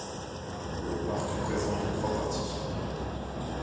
Le parc présente trois parties.